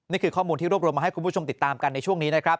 นี่คือข้อมูลที่รวบรวมมาให้คุณผู้ชมติดตามกันในช่วงนี้นะครับ